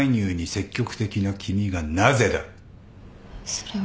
それは。